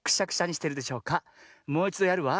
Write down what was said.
もういちどやるわ。